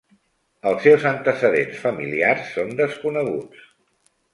Els seus antecedents familiars són desconeguts.